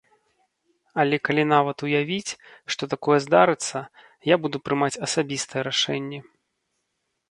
Але калі нават уявіць, што такое здарыцца, я буду прымаць асабістыя рашэнні.